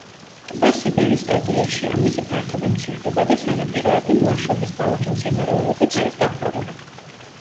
ტბა სიბერის სტადიაშია; მისი ფართობი მცირდება და სანაპიროები მლაშობის ბალახი მცენარეულობით არის დაფარული.